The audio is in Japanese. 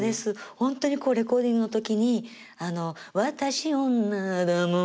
本当にレコーディングの時に「私、女だもん」